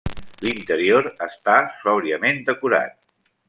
L'interior està sòbriament decorat.